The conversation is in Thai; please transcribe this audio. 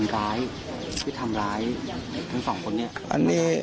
ที่ทำร้ายทั้งสองคนนี้